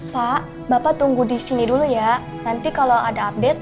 pak bapak tunggu di sini dulu ya nanti kalau ada update